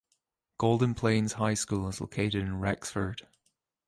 Golden Plains High School is located in Rexford.